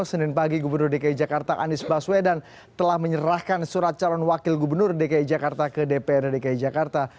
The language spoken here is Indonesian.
senin pagi gubernur dki jakarta anies baswedan telah menyerahkan surat calon wakil gubernur dki jakarta ke dprd dki jakarta